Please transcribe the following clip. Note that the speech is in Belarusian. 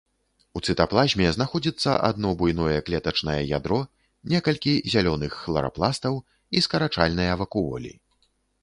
У цытаплазме знаходзіцца адно буйное клетачнае ядро, некалькі зялёных хларапластаў і скарачальныя вакуолі.